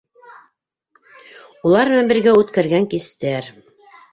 Улар менән бергә үткәргән кистәр.